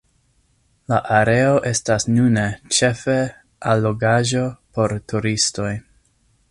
La areo estas nune ĉefe allogaĵo por turistoj.